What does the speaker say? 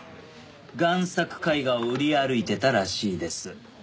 贋作絵画を売り歩いてたらしいです。